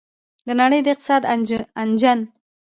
د نړۍ د اقتصاد انجن.